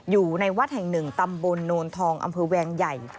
อยู่ในวัดแห่งหนึ่งตำบลโนนทองอำเภอแวงใหญ่